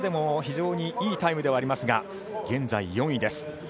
これでも非常にいいタイムではありますが現在４位です。